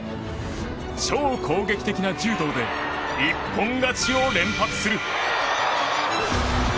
超攻撃的な柔道で一本勝ちを連発する。